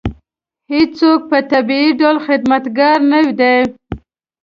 هېڅوک په طبیعي ډول خدمتګار نه دی.